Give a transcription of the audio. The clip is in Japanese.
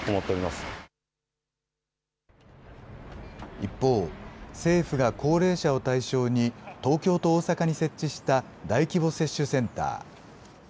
一方、政府が高齢者を対象に、東京と大阪に設置した大規模接種センター。